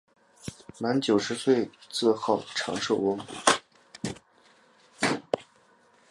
满九十岁时自号长寿翁。